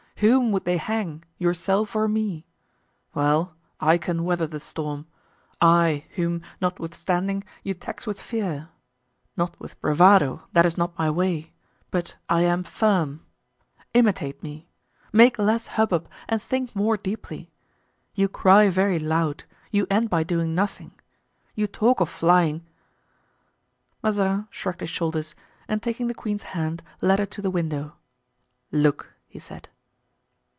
Whom would they hang, yourself or me? Well, I can weather the storm—I, whom, notwithstanding, you tax with fear—not with bravado, that is not my way; but I am firm. Imitate me. Make less hubbub and think more deeply. You cry very loud, you end by doing nothing; you talk of flying——" Mazarin shrugged his shoulders and taking the queen's hand led her to the window. "Look!" he said.